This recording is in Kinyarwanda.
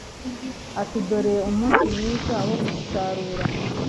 ati: "dore Umunsi mwiza wo gusarura"